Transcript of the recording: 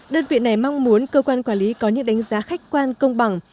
đơn vị này mong muốn cơ quan quản lý có những đánh giá khách quan công bằng